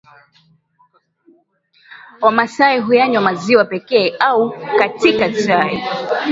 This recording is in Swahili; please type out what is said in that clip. Wamasai huyanywa maziwa pekee au katika chai